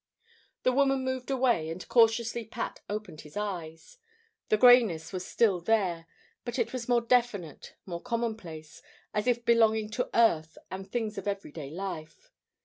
The woman moved away, and cautiously Pat opened his eyes. The greyness was still there, but it was more definite, more commonplace, as if belonging to earth and things of everyday life.